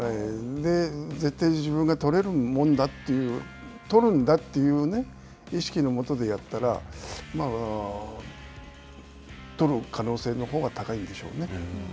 絶対に自分が取れるもんだという取るんだという意識のもとでやったら、取る可能性のほうが高いんでしょうね。